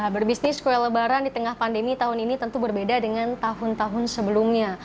berbisnis kue lebaran di tengah pandemi tahun ini tentu berbeda dengan tahun tahun sebelumnya